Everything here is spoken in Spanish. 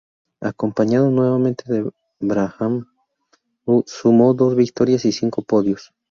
Acompañado nuevamente de Brabham, sumó dos victorias y cinco podios.